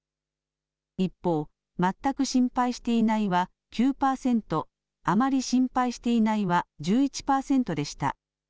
一方、全く心配していないは９％、あまり心配していないは１１％でした。